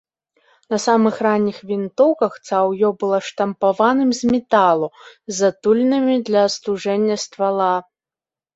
На самых ранніх вінтоўках цаўё было штампаваным з металу, з адтулінамі для астуджэння ствала.